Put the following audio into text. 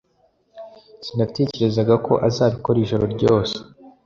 Sinatekerezaga ko azabikora ijoro ryose,